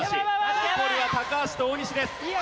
残るは高橋と大西です。